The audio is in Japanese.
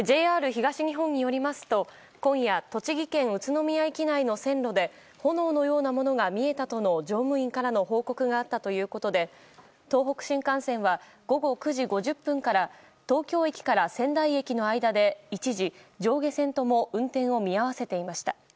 ＪＲ東日本によりますと今夜、栃木県宇都宮駅内の線路で炎のようなものが見えたとの乗務員からの報告があったということで東北新幹線は午後９時５０分から東京駅から仙台駅の間で一時、上下線とも運転を見合わせていました。